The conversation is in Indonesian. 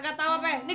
gak tau apa ya